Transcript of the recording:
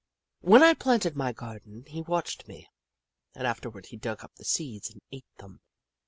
When I planted my garden, he watched me, and afterward he dug up the seeds and ate them.